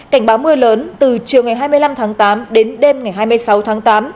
cảnh báo mưa lớn từ chiều ngày hai mươi năm tháng tám đến đêm ngày hai mươi sáu tháng tám